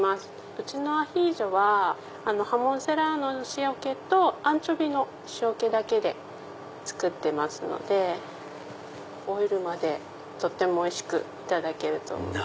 うちのアヒージョはハモンセラーノの塩気とアンチョビーの塩気だけで作ってますのでオイルまでとってもおいしくいただけると思います。